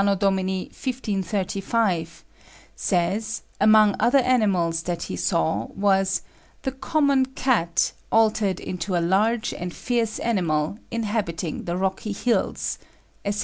D. 1535, says, among other animals that he saw was "the common cat altered into a large and fierce animal, inhabiting the rocky hills," etc.